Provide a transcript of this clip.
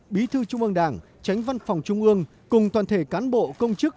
bí thư trung ương đảng tránh văn phòng trung ương cùng toàn thể cán bộ công chức